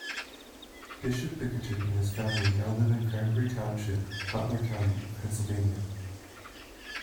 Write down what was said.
Bishop Bickerton and his family now live in Cranberry Township, Butler County, Pennsylvania.